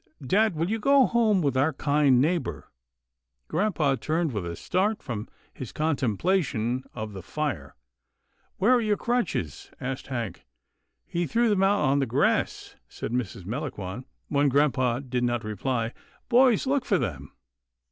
Dad, will you go home with our kind neighbour?" Grampa turned with a start from his contemplation of the fire. " Where are your crutches ?" asked Hank. " He threw them out on the grass," said Mrs. Melangon, when grampa did not reply, " boys, look for them."